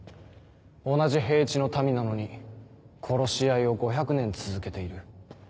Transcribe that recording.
同じ平地の民なのに殺し合いを５００年続けている。